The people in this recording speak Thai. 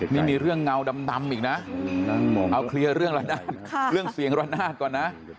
นี่มีเรื่องเงาดำอีกนะเอาเคลียร์เรื่องละนาดเรื่องเสียงระนาดก่อนนะ